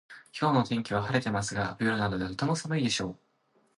今日の天気は晴れてますが冬なのでとても寒いでしょう